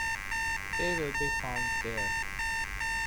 They will be found there.